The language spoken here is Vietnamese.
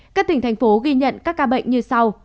các tỉnh thành phố ghi nhận các ca bệnh như sau